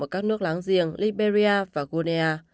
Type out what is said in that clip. ở các nước láng giềng liberia và gunea